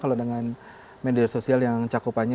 kalau dengan media sosial yang cakupannya